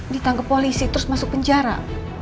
ditangkap polisi terus masuk penjara